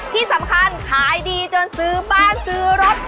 ที่สำคัญขายดีจนซื้อบ้านซื้อรถ